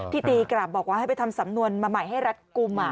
ตีกลับบอกว่าให้ไปทำสำนวนมาใหม่ให้รัฐกลุ่ม